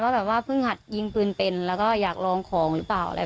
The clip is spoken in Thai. แบบว่าเพิ่งหัดยิงปืนเป็นแล้วก็อยากลองของหรือเปล่าอะไร